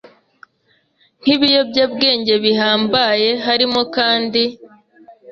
nk ibiyobyabwenge bihambaye harimo kandi